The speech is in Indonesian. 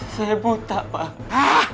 saya buta pak